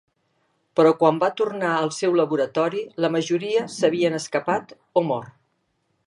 Però quan va tornar al seu laboratori la majoria s'havien escapat o mort.